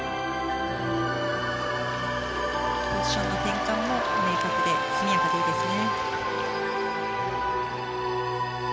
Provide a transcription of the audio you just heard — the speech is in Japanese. ポジションの転換も明確で速やかでいいですね。